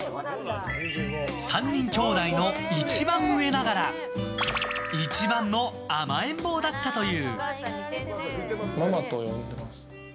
３人兄弟の一番上ながら一番の甘えん坊だったという。